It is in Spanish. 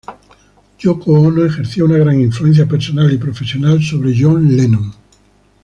Yoko Ono ejerció una gran influencia personal y profesional sobre John Lennon.